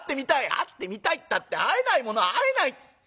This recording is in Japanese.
「『会ってみたい』ったって会えないものは会えない。